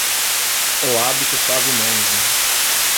O hábito faz o monge